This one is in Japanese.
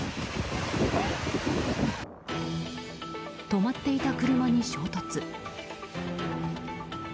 止まっていた車に衝突。